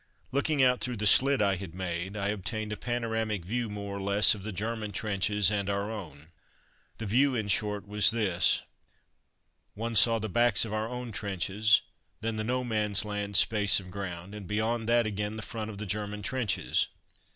Looking out through the slit I had made I obtained a panoramic view, more or less, of the German trenches and our own. The view, in short, was this: One saw the backs of our own trenches, then the "No man's land" space of ground, and beyond that again the front of the German trenches.